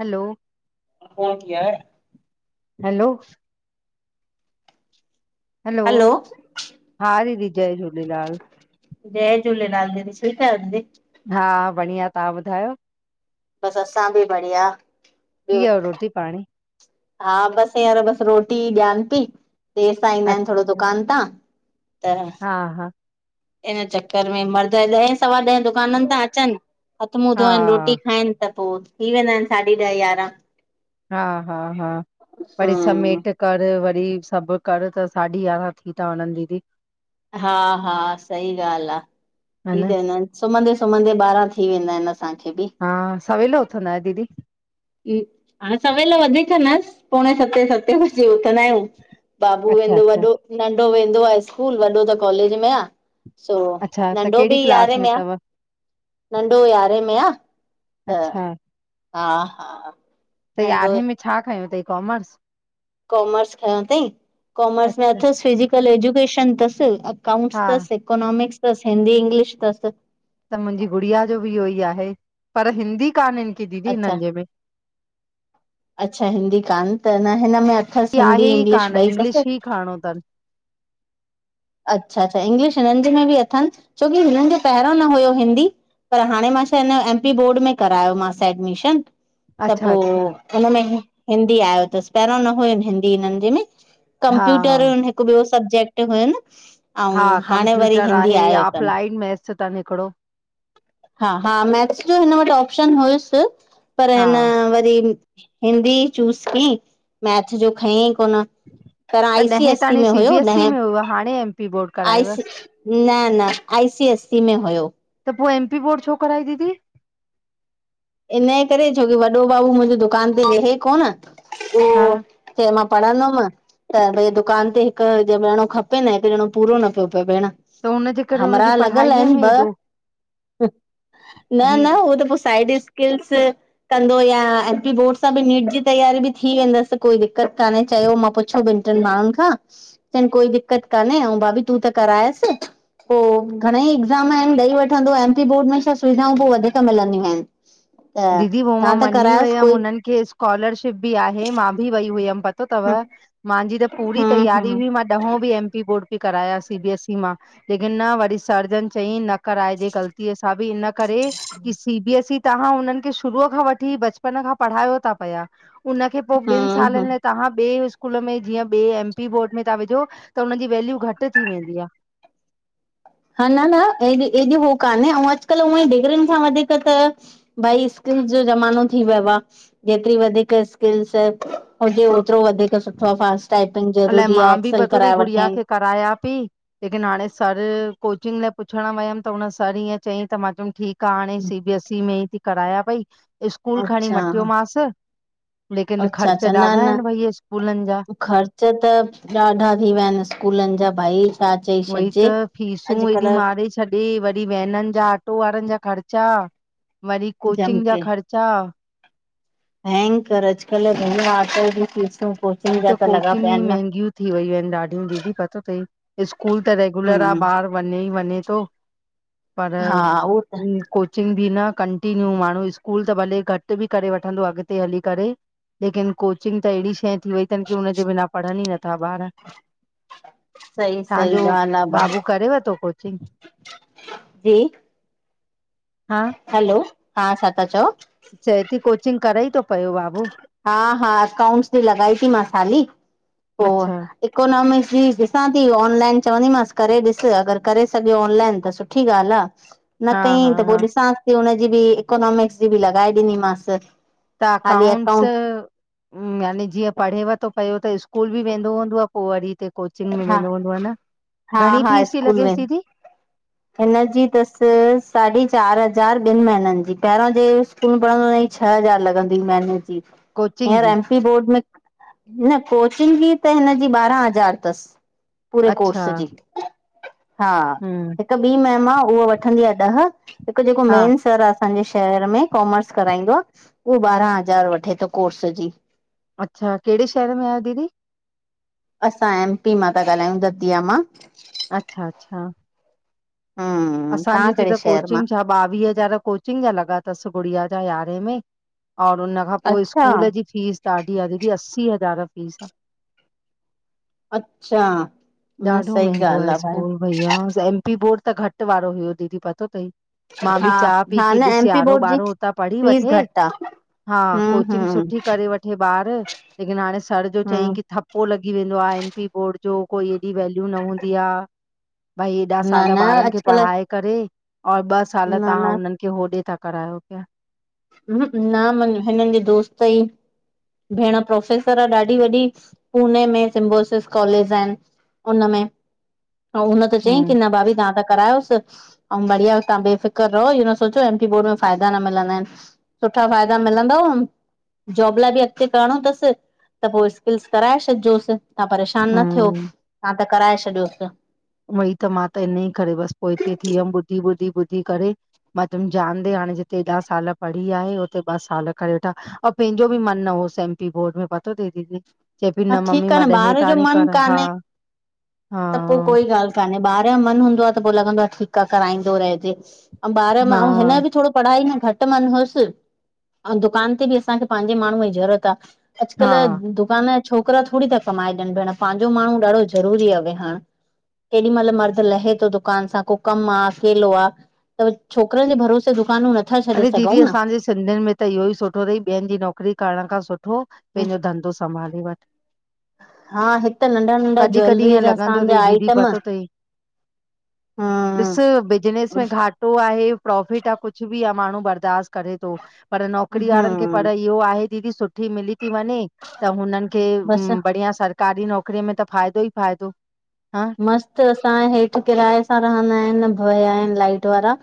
हलो phone किया है? Hello hello, हा दीदी जय झूलेलाल। जय झूलेलाल दीदी, ठीक आहियो दीदी? हा बढ़िया, तव्हां ॿुधायो? बसि असां बि बढ़िया। थी ॿियो वियव रोटी पाणी? हा बसि हिंयर बसि रोटी ॾियानि थी। देरि सां अ ईंदा आहिनि थोरो दुकान तां। त [unintelligible] हा हा [unintelligible] इन्हें चक्कर में मर्द ॾहें सवा ॾहें दुकाननि ता अचनि हथु मुंहुं हा धोईनि रोटी खाइनि त पोइ थी वेंदा आहिनि साढी ॾह यारहां। हा हा हा वरी हम्म समेट। करि वरी, सभु करि त साढी यारहां थी, था वञनि दीदी हा हा सही ॻाल्हि आहे, ह थी न वेंदा अहिनि सुम्हंदे- सुम्हंदे ॿारहां थी वेंदा आहिनि असांखे बि। हा सवेल उथंदा आहियो दीदी? हा- सवेल वधीक न, पोणे सतें- सतें बजे उथंदा आहियूं। बाबू अच्छा वेंदो अच्छा वॾो, नंढो वेंदो आहे स्कूल वॾो त कॉलेज में आह। सो, अच्छा त नंढो कहिड़ी बि क्लास यारें में आ। अथव नंढो यारहें में आ, त अच्छा हा हा त, नंढो यारहें में छा खयो अथईं, कोमर्स? कॉमर्स खयो थईं कॉमर्स में अच्छा अथसि, फिजिकल एजुकेशन तसि, अकाउंटस हा तसि। इकोनॉमिक्स तसि, हिंदी, इंग्लिश तसि। त मुंहिंजी, गुड़िया जो बि इहो ई आहे। पर हिंदी कान हिनि खे दीदी अच्छा हिननि जे में। अच्छा हिंदी कानि तनि, हिन में अथसि हिंदी, इंग्लिश ॿई तसि। णो तनि [unintelligible] अच्छा -अच्छा इंग्लिश हिननि जे में बि अथन, छोकी हिननि खे पहिरियों न हुयो हिंदी। पर हाणे मां छा हे, हिन जो एमपी बोर्ड में करायोमासि एडमिशन। त अच्छा, अच्छा, पोइ- हुनमें हिंदी आयो थसि। पहिरियों न हुयो हिंदी हिननि जे में। हा, कंप्यूटर, हा, हिकु ॿियो सबजेक्ट हुयनि। ऐं, हा, हाणे वरी कंप्यूटर हिंदी आहे आहियो या अथन। अप्लाइड मैथ्स अथनि हिकिड़ो, हा -हा मैथ्स जो हिन वटि ऑप्शन हुयुस, पर हा, हिन वरी - - हिंदी चूस कयईं, मैथ जो खयईं कोन। त आई सी ॾहें एस सी ताणी में हुयो सीबीएसई न। में हाणे M P board. I C, करायवसि, न -न, आई सी एस सी में हुयो। त पोइ, एमपी बोर्ड छो कराई दीदी? इनजे करे-छोकी, वॾो बाबू मुंहिंजे दुकान ते वेहे कोन, पो हा, चय मां, पढ़ंदोम। त भई दुकान ते हिकु ॼणो खपे न, हिकु ॼणो पूरो न पियो पए भेण। त हुनजे करे हुनजी हमरा लॻलि पढ़ाईअ आहिन में ॿ। एॾो न जी -न उहो त पोइ साइड। स्किल्स कंदो या एमपी बोर्ड सां बि, नीट जी तयारी बि थी वेंदस। कोई दिकक़त कान्हे, चयो मां पुछो, ॿिनि टिनि माण्हुनि खां। चनि, कोई दिकत कान्हे ऐंऊ, भाभी तूं त करायस। पोइ घणे ई एग्ज़ाम आहिनि, ॾेई वठंदो एमपी बोर्ड में, छा सुविधाऊं पोइ वधीक मिलंदियूं। आहिन दीदी, पोइ मां मञी वयमि कोई उन्हनि खे। स्कॉलरशिप बि आहे, मां बि वई हुअम, पतो अथव ह -मुंहिंजी त पूरी हम्म तयारी हम्म हुई। ग्रहों भी- एमपी बोर्ड मो कराया सी बीएस ई मां, लेकिन वरी सरजन चई न। कराइजे, ग़लतीअ सां बि इन करे की, सी बीएस ई तव्हां हुनन। शुरू खां वठी बचपन खां पढ़ायो ता पिया उनखे पो ॿिन हम्म सालन। हम्म तव्हां ॿे स्कूल में जीअं ॿे एमपी बोर्ड में ता विझो त हुन जी वैल्यू घटि थी वेंदी आ - - हा न न एज जी हू काने ऐं अॼकल उअं ई डिग्रियुनि खां वधीक त - भई स्किलस जो ज़मानो थी वियो आहे जेतरी वधीक स्किलस - - हुजे ओतिरो वधीक सुठो आहे फास्ट टाइपिंग ज़रूरी आहे एक्सल कराए वठन। कराया ती - - लेकिन हाणे सर कोचिंग लाए पुछण वयम त हुन सर ईअं चयईं त मां चयम ठीक - - त हाणे सी बी एस ई में ई थी करायां पई स्कूल खणी अच्छा मटियोमास। लेकिन अच्छा ख़र्च अच्छा ॾाढा आहिन भई स्कूलन जा। च त ॾाढा थी विया आहिन स्कूलन जा भाई छा चई छॾजे अॼकल - - तॾी वॾी वैनन जा ऑटो वारन जा ख़र्चा। वरी जम कोचिंग जा के ख़र्चा। भयंकर अॼकल घर [unintelligible] हे त कोचिंग ई महांगियूं थी वयूं आइन ॾाढियूं दीदी पतो तई। स्कूल त रेगुलर आ हम्म ॿार वञे ई वञे थो पर। हा उहो त कोचिंग बि न कंटीन्यू माण्हू स्कूल त भले घट बि करे वठंदो अॻिते हली करे - - लेकिन कोचिंग त एड़ी शइ थी वई तन की हुन जे बिना पढ़न ई नथा ॿार। सही सही तांजो ॻाल्हि आ ब बाबू करेव तो कोचिंग? जी - - हा - - हलो हा छा ता चओ। चए ती कोचिंग कराई थो पियो बप - - हा हा अकाउंटस बि लॻाई थी मां हाली पो अच्छा - - इकोनॉमिक्स जी ॾिसां थी ऑनलाइन चवंदीमांस करे ॾिसे अगर करे सघियो ऑनलाइन त सुठो - - सुठी ॻाल्ह आ। न हा हा कईं त पो हा ॾिसांस ती हुनजी बि इकोनॉमिक्स जी बि लॻाए ॾींदीमास। त अकाउंटस यानी जीअं पढ़ेव तो पयो त स्कूल बि वेंदो हूंदो अ पो वरी हिते कोचिंग में हा वेंंदो हूंदोव न हा घणी फीस ती लॻेस दीदी? हिन जी तस साढी चार हज़ार ॿिन महनन जी पेरियों जी [unintelligible] छह हज़ार लॻंदी मान कोचिंग हिर जी आन फी बोर्ड में न कोचिंग जी त हिनजी ॿारां हज़ार तस। पूरे कोर्स जी हा। हूं। हिक ॿी मेम आह उहो वठंदी आह ॾह हिक जेको हा मेन सर आह असांजे शहर में कॉमर्स कराईंदो आ उहो ॿारां हज़ार वठे तो कोर्स जी। अच्छा केड़े शहर में आ दीदी? असां एम पी मां ता ॻाल्हायूं दतिया मां। अच्छा अच्छा। हम्म असांजी तव्हां हिते कहिड़े त शहर मां कोचिंग छा ॿावीह हज़ार कोचिंग जा लॻा तस गुड़िया जा यारें में और हुन हुन खां पो अच्छा स्कूल जी फीस ॾाढी आ दीदी असी हज़ार फीस आ। अच्छा न सही ॻाल्ह आ भाई। भइया एमपी बोर्ड त घट वारो हुयो दीदी पतो तई। मां बि हा चां पइ हा की न ॾिस एम पी यारों बोर्ड जी ॿारो हुतां पढ़ी फीस वठे। घटि आहे हा हम्म कोचिंग हम्म सुठी करे वठे ॿार लेकिन हाणे सर जो चईं हम्म की थप पो लॻी वेंदो आए एम पी बोर्ड जो कोई एॾी वल्यू न हूंदी आ। भई एॾा न साल न ॿारन खे अॼुकल्ह पढ़ाए करे और ॿ साल न तव्हां हुनन खे ओॾे ता करायो पिया। न म हिनन जे दोस्त ई भेण प्रोफेसर आह ॾाढी वॾी पुणे में सिम्बोसिस कॉलेज एन। हुन में हुन त चई हम्म की न भाभी तव्हां त करायोस ऐं बढिया तव्हां बेफ़िक्र रहो इहो न सोचो एमपी बोर्ड में फ़ाइदा न मिलंदा एन। सुठा फ़ाइदा मिलंदव जॉब लाइ बि अॻते करणो तस त पो स्किल्स कराए छॾिजोस। तव्हां परेशान न थियो हम्म, तव्हां त कराए छॾियोस उहोई त मा त इनई करे बस पो हिते थी वियम ॿुधी ॿुधी ॿुधी करे। मा तुम जानदे हाणे जिते हेॾा साल पढ़ी आहे उते ॿ साल करे वेठा ऐं पेंजो बि मन न होस एम पी बोर्ड में पतो ती दीदी। चए प न मम्मी ठीक आ मा न ॾहे ॿार जो ताणी मन कर हा कान्हे हा। काने ॿार जो मन हूंदो आह त पो लॻंदो आह ठीक आह कराईंदो रहजे। ऐं ॿार हा अऊ हिन बि थोरो पढ़ाई न घट मन होस अऊं दुकान ते बि असांखे पांजे माण्हूअ जी ज़रूरत आह। हा अॼकल्ह दुकान जा छोकरा थोरी ता कमाए ॾियन भेण पांजो माण्हू ॾाढो ज़रूरी आह वेहण केॾी मल मर्द लहे तो दुकान सां को कम आह अकेलो आह। त छोकरन जे भरोसे दुकानूं न छॾे अड़े सघूं दीदी असांजे सिंधिन में त इहो ई सुठो थी ॿियन जी नौकरी करण खां सु ठो पेंजो धंधो संभाले वन। हा हिक त नंढा नंढा कॾहिं कॾहि ज्वैलरी इअ जा लॻंदो असांजा तई दीदी आइटम पतो तई ॾिस हम्म बिजनस में घाट पतो आहे प्राफिट आ कुछ बि आ माण्हू बर्दाश्त करे तो पर नौकरी वारनि खे पढ़ाई इहो आहे दीदी सुठी मिली ती वञे त हुननि खे बसि बढ़िया सां सरकारी नौकरीअ में त फ़ाइदो ई फ़ाइदो हं मस्तु असांये हेठि किराए सां रहंदा आहिनि भया आहिनि, लाइट वारा।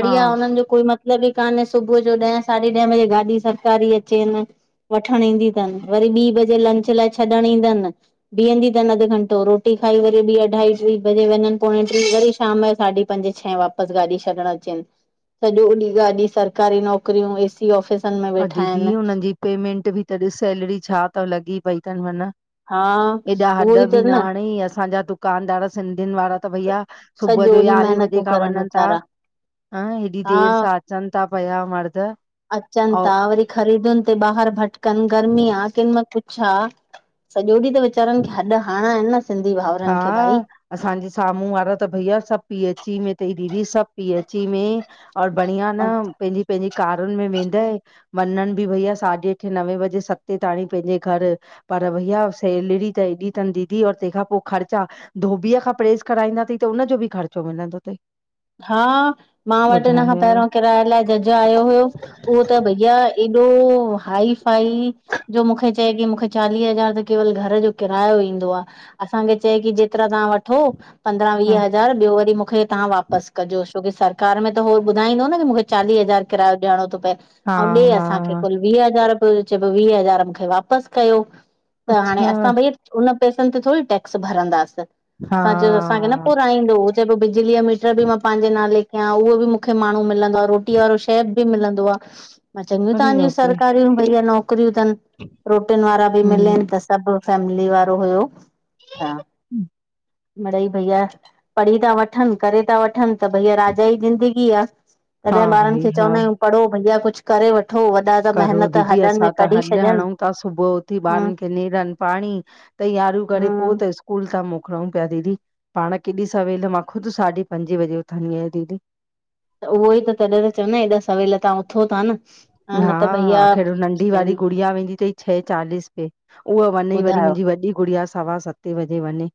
हा हुननि जो कोई मतिलबु ई कान्हे सुबुह जो ॾहें साढे ॾहें बजे गाॾी सरकारी अचेनि। वठणु ईंदी तनि वरी ॿी बजे लंच लाइ छॾण ईंदनि। बीहंदी तन अध घंटो रोटी खांई वरी ॿी अढाई टी बजे वञनि पोेड़ें टी वरी शाम जो साढी पंजे छहे वापसि गाॾी छॾणु अचेन। सॼो ॾींहुं गाॾी सरकारी नौकरियूं एसी ऑफिसनि में ऐं वेठा दीदी आहिनि। हुननि जी पेमेंट बि त ॾिस सैलेरी छा त लॻी पई तनि मन। हा हेॾा उहो हॾ ई बि त न हणे असांजा दुकानदार सिंधियुनि वारा त भईया सुबुह सॼो जो ॾींहुं यारहें बजे महिनतूं खां करनि वञनि था, वेचारा हं हेॾी हा देरि सां अचनि था पया मर्द। अचनि ऐं ता वरी ख़रीदुनि ते ॿाहिरि भटकनि गर्मी आ केॾिमल कुछ आ? सॼो ॾींहुं त वीचारनि खे हॾ हरणा आहिनि सिंधी भाऊ हा। असांजे साम्हूं वारा त भैया सभु पी ऐच ई में तई दीदी सभु पी एची में और बढ़िया न पंहिंजी पंहिंजी कारुनि में वेंदइ। वनन बि भईया साढे अठे नवे बजे, सते ताणी पंहिंजे घर। पर भईया सेलरी त एॾी तन दीदी और तंहिंखां पो ख़र्चा धोबीअ खां प्रेस कराईंदा तई त उनजो बि ख़र्चो मिलंदो तई। हा मां वटि हिन खां यार पहिरों किराय लाई जज आयो हुयो, उहो त भईया एॾो हाई फाई, जो मूंखे चए की मूंखे चालीह हज़ार त केवल घर जो किरायो ईंदो आ। असांखे चए की जेतिरा तव्हां वठो, पंद्रहां वीह हा हज़ार ॿियो वरी मूंखे तव्हां वापसि कजो छोकी सरकार में त हो ॿुधाईंदो न, मूंखे चालीह हज़ार किरायो ॾियणो तो पए हा अउं ॾे असांखे हा कुल वीह हज़ार पो चइ पो वीह हज़ार मूंखे वापसि कयो, त हाणे अच्छा असां भइया हुन पैसनि ते थोड़ी टैक्स भरंदासीं हा असां चयो असांखे न पुराईंदो। चए पयो बिजलीअ जो मीटर बि मां पंहिंजे नाले कयां, उहो बि मूंखे माण्हू मिलंदो आ रोटी वारो शेफ़ भी मिलंदो आ, मां चङियूं अरे तहांजी बाप रे सरकारियूं भईया नौकरियूं तनि। रोटीन वारा बि हम्म मिलन त सभ फैमिली वारो हुयो। हा मिड़ई भईया पढ़ी ता वठन, करे ता वठन। त भईया राजा ई ज़िंदगी आ हा तॾें ॿारनि भाई खे हा चवंदा आयूं? पढ़ो भैया कुछ करे वठो वॾा त करो महिनत दीदी हॾनि असां में त कढी हॾु छॾनि हणूं था, सुबुह उथी ॿारन हम्म खे नेरनि पाणी तैयारियूं करे पो हम्म त स्कू स्कूल ता मोकलऊं पिया दीदी, पाण केॾी सवेल मां ख़ुद साढी पंजे बजे उथंदी आयां दीदी। त उहोई त तॾहिं त चवदां इन हेॾा सवेल तां उथो ता न? न हा! त भईया आख़िर नंढी वारी सही गुड़िया वेंदी तई छह चालीस ते उहा वञई वरी ॿुधायो मुंजी वॾी गुड़िया सवा सते बजे वञे।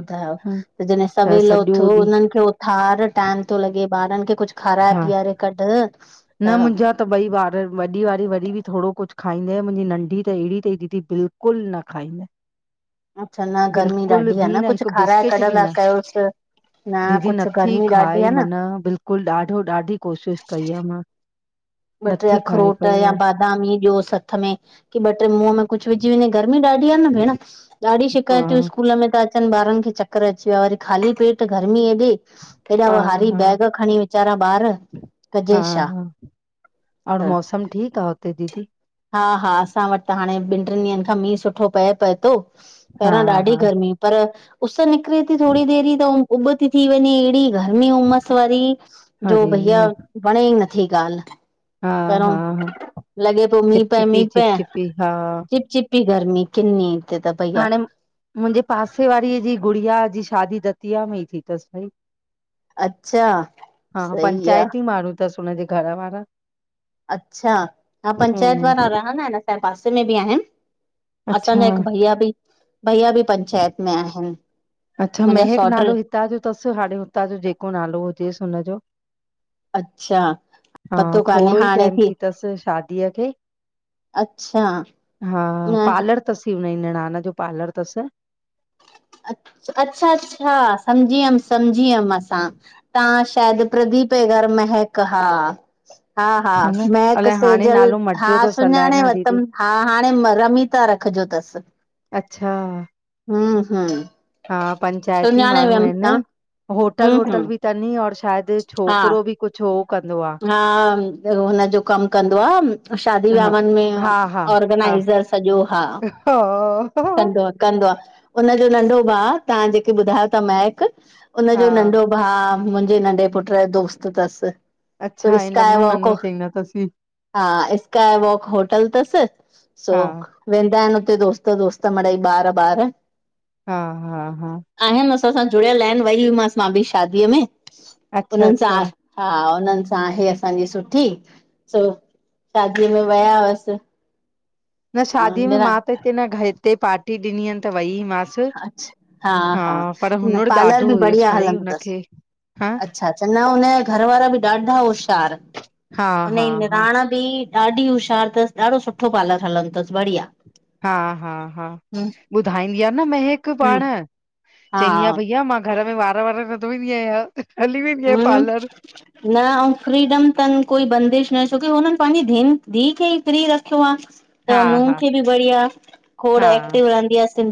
ॿुधायो हा त जॾें सवेल सॼो उथो ॾींहुं हुननि खे उथार टाइम तो लॻे ॿारन खे कुछ खाराए हा पीआरे कढ न त मुंजा त ॿई ॿार वॾी वारी वरी बि थोड़ो कुछ खाईंद मुंजी नंढी त एड़ी तई दीदी बिल्कुलु न खाईंदी। अच्छा न गर्मी ॾाढी आ बि न कुझ हिकु खाराए बिस्किट बि कढंदा न कयोस। न कुझ गर्मी ॾाढी आ न। बकुल ॾाढो ॾाढी कोशिश कई आ मां। ॿ टे नथी खाए अखरोट पई या उहा बादामी ॾियो हथ में की ॿ टे मुंह में - - कुझु विझी वञे गर्मी ॾाढी आ न भेण ॾाढी शिकायतूं स्कूल में त - - चनि ॿारन खे चकर अची वियो आहे वरी ख़ाली पेट गर्मीअ एॾी - - केॾा हा हा भारी हा बैग खणी वीचारा ॿार हा कजे छा। हा और त मौसम ठीक आ हुते दीदी - - हा हा असां वटि त हाणे ॿिन टिन ॾींहंन खां मींहुं सुठो पए पए थो हा पहिरां ॾाढी हा गर्मी। त उस निकरे थी थोरी देेरी त उभ थी वञे अहिड़ी - - गरमी उमस वारी जो अरे भईया वणे ई नथी ॻाल्ह। हा पहिरों हा हा लॻे पियो मींह पए चिपचिपी मींह पए चिपचिपी हा चिप चिप - - कि गर्मी किनी - - हाणे मुंजे पासे वारीअ जी गुड़िया जी शादी दतिया में ई थी तस। अच्छा हा सही आ पंचायती माण्हू तस हुनजे घर वारा। अच्छा हा पंचायत वारा हम्म रहंदा आइन असांजे पासे में बि आहिन। अच्छा असांजा हिक भैया बि भैया बि पंचायत में आहिन। अच्छा महक नालो हितां जो तस हाणे हुतां जो जेको नालो हुजेस हुनजो। अच्छा हा पतो कान्हे थोरो ई हाणे टाइम थी तस शादीअ खे। अच्छा हा न पारलर तस निणान जो पार्लर तस। अ अच्छा अच्छा सम्झी वियम सम्झी वियम असां तव्हां शायद। प्रदीप ए घर महक हा। हा हा न महक अलाए हाणे सेजल नालो हा मटिजो अथसि अलाए सुञाणे न दीदी वरतम हा हाणे रमी - - ता रखजो तस। अच्छा। हूं हू। हा पंचायती माण्हू आइन हूं होटल हूं वोटल बि तन और शायद हा छोकिरो बि - - कुझ हो कंदो आ। हा हुनजो कम कंदो आ शादी आहे हा वियावन में हा - हा - हा ऑर्गेनाइज़र सॼो हा। हा - - कंदो आहे कंदो आ उनजो नंढो भा तां जेके ॿुधायो ता महक - - हा हुनजो नंढो भा मुंहिंजे नंढे पुट जो दोस्त तस। अच्छा हे ननू ननू चईंदा तस। हा इकाय वॉक होटल तस सो हा - - वेंदा आहिन। उते दोस्त-दोस्त मड़ई ॿार ॿार। हा, हा, हा। आहिन असां सां जुड़ियल आहिन। वई मांस मा बि शादीअ में, अच्छा हुननन सां अच्छा आ हा, उन्हन सां आहे असांजी सुठी। सो शादीअ में वया हुअस। न शादीअ में मां त हिते, न घर हिते पार्टी ॾिनीहन, त वईमांन। अच्छ, हा हा, न हुनुर पालार ॾाढो बि हुयुसि बढ़िया भाई हलंदो हुनखे अथस। हा अच्छा-अच्छा न हुन जा, घर वारा बि ॾाढा होशियार। हा, हा। हा निराण बि ॾाढी होशियार अथस। ॾाढो सुठो पालर हलंदो अथस, बढ़िया! हा, हा, हा! हम्म ॿुधाईंदी आहे न, महक पाण हा चईदी आहि भईया मां! घर में वार-वार न दोईंदी आयां, हली वेंदी आयां हम्म पार्लर। न, अऊं फ्रीडम तन कोई बंदिश न, छोकी हुनन पांजी धीन धीउ खे फ्री रखयो आह। त हा नुह् हा खे बि बढ़िया खोड़ हा एक्टिव रहंदी आह, सिंधी